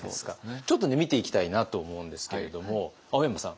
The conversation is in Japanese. ちょっとね見ていきたいなと思うんですけれども青山さん